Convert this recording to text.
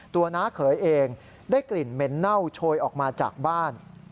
น้าเขยเองได้กลิ่นเหม็นเน่าโชยออกมาจากบ้าน